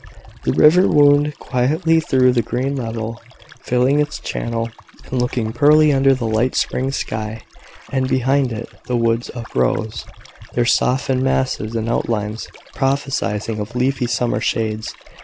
The river wound quietly through the green level, filling its channel, and looking pearly under the light spring sky; and behind it the woods uprose, their softened masses and outlines prophesying of leafy summer shades.